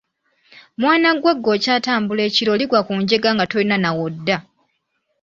Mwana ggwe okyatambula ekiro oligwa ku njega nga tolina na wodda.